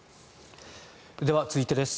では続いてです。